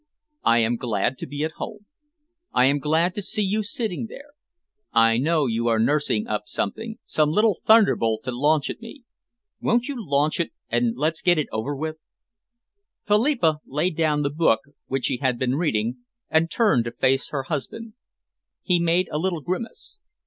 "I am glad to be at home. I am glad to see you sitting there. I know you are nursing up something, some little thunderbolt to launch at me. Won't you launch it and let's get it over?" Philippa laid down the book which she had been reading, and turned to face her husband. He made a little grimace.